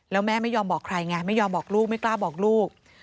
แล้วแม่ไม่ยอมบอกใครไงไม่ยอมบอกลูกไม่กล้าบอกลูก